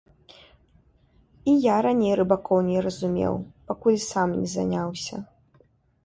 І я раней рыбакоў не разумеў, пакуль сам не заняўся.